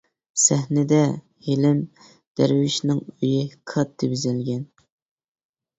سەھنىدە: ھېلىم دەرۋىشنىڭ ئۆيى، كاتتا بېزەلگەن.